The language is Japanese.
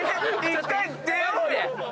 １回出よう！